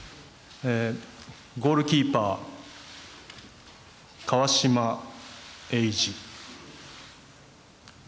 ゴールキーパー川島永嗣。